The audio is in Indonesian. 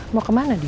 mau ke mana dia